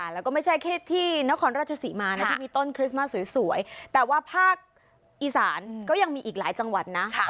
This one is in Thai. แล้วก็ไม่ใช่แค่ที่นครราชสีมานะที่มีต้นคริสต์มาสสวยแต่ว่าภาคอีสานก็ยังมีอีกหลายจังหวัดนะ